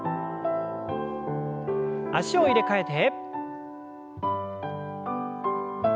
脚を入れ替えて。